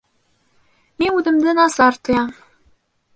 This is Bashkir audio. Мин үҙемде насар тоям